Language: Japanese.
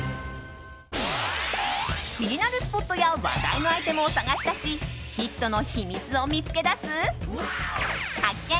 気になるスポットや話題のアイテムを探し出しヒットの秘密を見つけ出す発見！